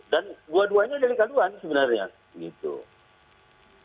dan dua duanya dari kanduan sebenarnya gitu